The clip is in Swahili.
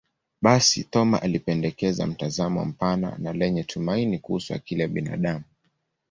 Basi, Thoma alipendekeza mtazamo mpana na lenye tumaini kuhusu akili ya binadamu.